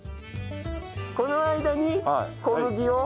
この間に小麦を煎ると。